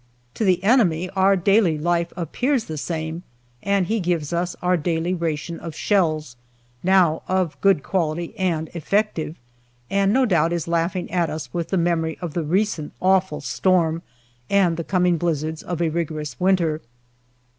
To the enemy our daily life appears the same, and he gives us our daily ration of shells now of good quality and effective and no doubt is laughing at us, with the memory of the recent awful storm and the coming blizzards of a rigorous winter.